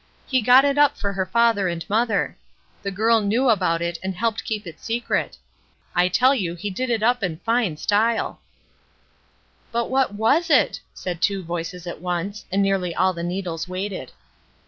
He got it up for her father and mother. The girl knew about it and helped keep it secret. I tell you he did it up in fine style." ^'SOMETHING PORTENTOUS" 425 "But what was it?" said two voices at once, and nearly all the needles waited.